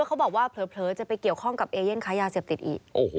เขาบอกว่าเผลอจะไปเกี่ยวข้องกับเอเย่นค้ายาเสพติดอีก